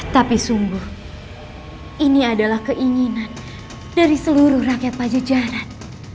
tapi sungguh ini adalah keinginan dari seluruh rakyat pajajaran